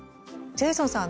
ジェイソンさん